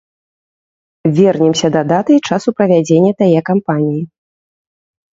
Вернемся да даты і часу правядзення тае кампаніі.